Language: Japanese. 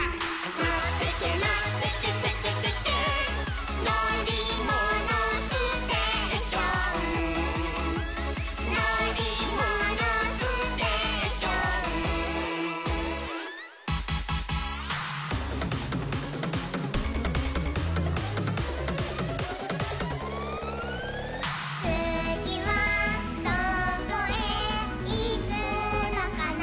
「のってけのってけテケテケ」「のりものステーション」「のりものステーション」「つぎはどこへいくのかな」